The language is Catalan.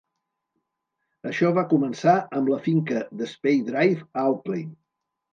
Això va començar amb la finca d'Spey Drive, a Auckley.